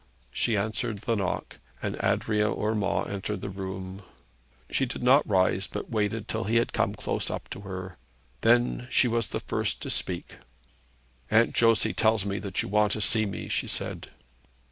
She answered the knock, and Adrian Urmand entered the room. She did not rise, but waited till he had come close up to her. Then she was the first to speak. 'Aunt Josey tells me that you want to see me,' she said.